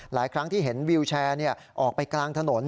หลายครั้งที่เห็นวิวแชร์ออกไปกลางถนน